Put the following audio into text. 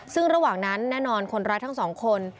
ซึ่งระหว่างนั้นแน่นอนคนร้ายทั้งสองคน